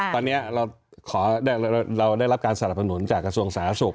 ตอนนี้เราได้รับการสถานกระโหนนจากกระทรวงสารสุก